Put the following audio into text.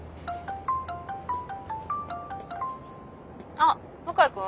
あ向井君？